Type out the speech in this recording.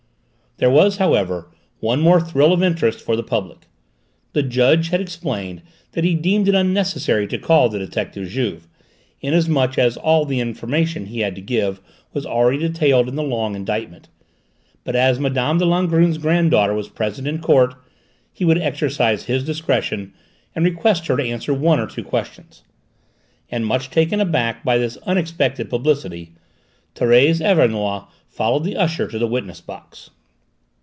There was, however, one more thrill of interest for the public. The judge had explained that he deemed it unnecessary to call the detective Juve, inasmuch as all the information he had to give was already detailed in the long indictment, but as Mme. de Langrune's granddaughter was present in court, he would exercise his discretion and request her to answer one or two questions. And, much taken aback by this unexpected publicity, Thérèse Auvernois followed the usher to the witness box.